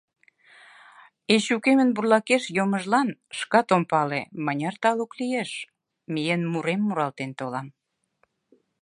Эчукемын бурлакеш йоммыжлан, шкат ом пале, мыняр талук лиеш — миен, мурем муралтен толам.